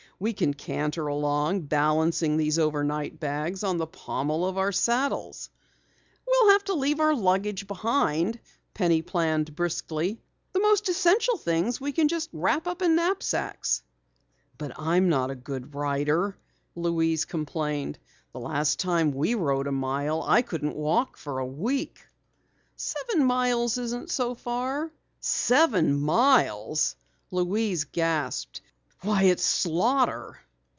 We can canter along balancing these overnight bags on the pommel of our saddles!" "We'll have to leave our luggage behind," Penny planned briskly. "The most essential things we can wrap up in knapsacks." "But I'm not a good rider," Louise complained. "The last time we rode a mile I couldn't walk for a week." "Seven miles isn't so far." "Seven miles!" Louise gasped. "Why, it's slaughter."